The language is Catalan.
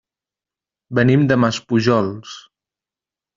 Venim de Maspujols.